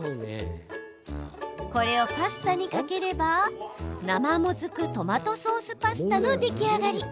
これをパスタにかければ生もずくトマトソースパスタの出来上がり。